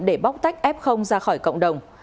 để bóc tách f ra khỏi cộng đồng